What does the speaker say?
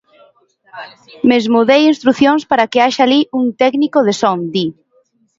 Mesmo "dei instrucións para que haxa alí un técnico de son", di.